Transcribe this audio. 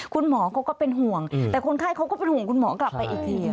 คุณหมอเขาก็เป็นห่วงแต่คนไข้เขาก็เป็นห่วงคุณหมอกลับไปอีกที